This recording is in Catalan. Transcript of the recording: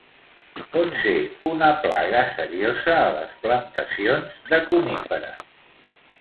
Pot ser una plaga seriosa a les plantacions de coníferes.